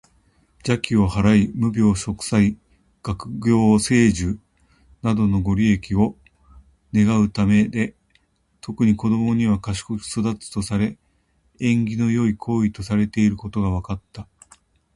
邪気を払い、無病息災や学業成就などのご利益を願うためで、特に子どもには「賢く育つ」とされ、縁起の良い行為とされていることが分かった。